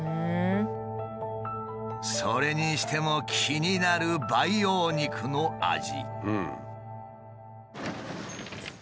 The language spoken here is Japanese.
それにしても気になる培養肉の味。